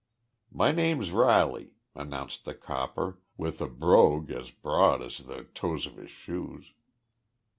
"My name's Riley," announced the copper, with a brogue as broad as the toes of his shoes.